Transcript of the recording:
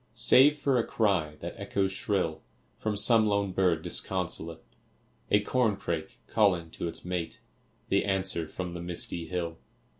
Save for a cry that echoes shrill From some lone bird disconsolate; A corncrake calling to its mate; The answer from the misty hill.